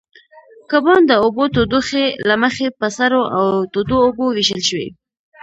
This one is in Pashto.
کبان د اوبو تودوخې له مخې په سړو او تودو اوبو وېشل شوي.